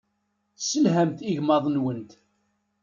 Tesselhamt igmaḍ-nwent.